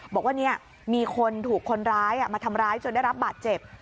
บอกว่ามีคนถูกคนร้ายมาทำร้ายจนได้รับบาดเจ็บ